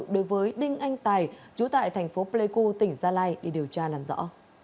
đối với đinh anh tài chú tại thành phố pleiku tỉnh gia lai để điều tra làm rõ